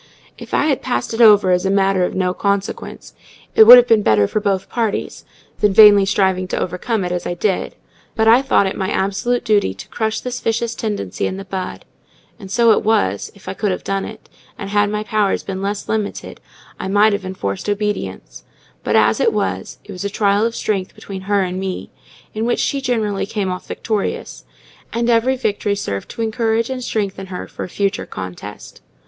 If I had passed it over as a matter of no consequence, it would have been better for both parties, than vainly striving to overcome it as I did; but I thought it my absolute duty to crush this vicious tendency in the bud: and so it was, if I could have done it; and had my powers been less limited, I might have enforced obedience; but, as it was, it was a trial of strength between her and me, in which she generally came off victorious; and every victory served to encourage and strengthen her for a future contest.